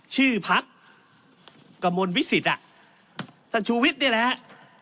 ชื่อพักกระมวลวิสิตอ่ะท่านชูวิทย์นี่แหละฮะ